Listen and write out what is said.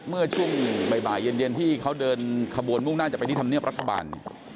เมื่อช่วงบ่ายเย็นที่เขาเดินขบวนมุ่งหน้าจะไปที่ธรรมเนียบรัฐบาล